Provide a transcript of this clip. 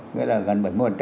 nghĩa là gần bảy mươi